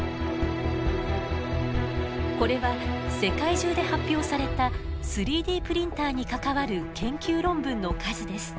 これは世界中で発表された３Ｄプリンターに関わる研究論文の数です。